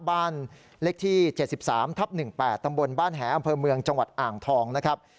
บ้านเลขที่๗๓ทับ๑๘ตำบลบ้านแหอำเภอเมืองจังหวัดอ่างทองนะครับ